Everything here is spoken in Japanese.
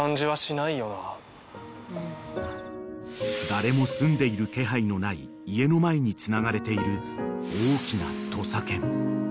［誰も住んでいる気配のない家の前につながれている大きな土佐犬］